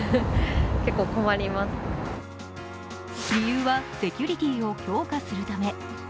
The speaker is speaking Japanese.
理由はセキュリティーを強化するため。